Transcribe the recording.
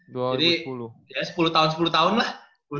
jadi sepuluh tahun sepuluh tahun lah sepuluh tahun sepuluh tahun